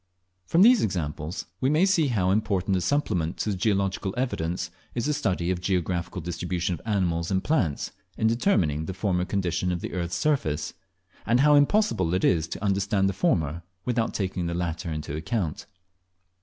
From these examples we may see how important a supplement to geological evidence is the study of the geographical distribution of animals and plants, in determining the former condition of the earth's surface; and how impossible it is to understand the former without taking the latter into account.